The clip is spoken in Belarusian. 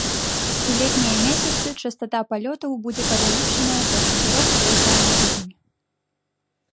У летнія месяцы частата палётаў будзе павялічаная да чатырох рэйсаў на тыдзень.